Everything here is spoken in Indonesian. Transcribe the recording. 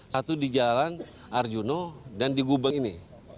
satu di jalan arjuna dan di gubeng ini